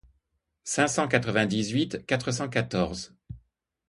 cinq cent quatre-vingt-dix-huit quatre cent quatorze.